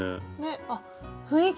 あ雰囲気